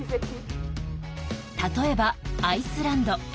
例えばアイスランド。